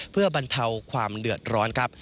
เพื่อบรรเทาความเดือดร้อนครับ